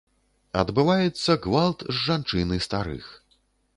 Адбываецца гвалт з жанчын і старых.